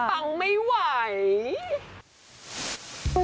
ฟังไม่ไหว